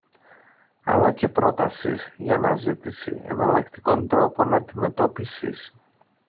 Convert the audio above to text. αλλά και πρότασης για αναζήτηση εναλλακτικών τρόπων αντιμετώπισης